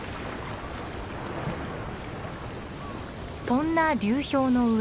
そんな流氷の上。